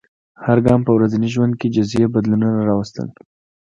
هر ګام په ورځني ژوند کې جزیي بدلونونه راوستل.